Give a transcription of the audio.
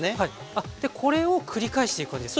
あっこれを繰り返していく感じですか？